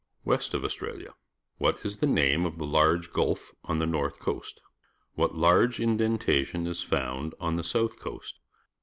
West of Australia? What is the name of the large gulf on the north coast? What large indentation is found on the south coast?